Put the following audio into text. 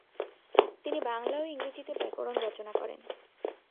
তিনি বাংলা ও ইংরেজিতে ব্যাকরণ রচনা করেন।